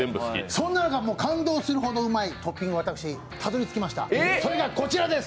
そんな中、感動するほどうまいトッピングに私たどりつきました。